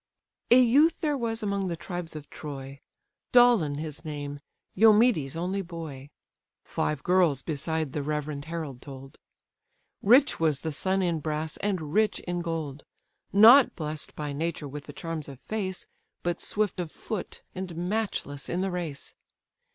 A youth there was among the tribes of Troy, Dolon his name, Eumedes' only boy, (Five girls beside the reverend herald told.) Rich was the son in brass, and rich in gold; Not bless'd by nature with the charms of face, But swift of foot, and matchless in the race.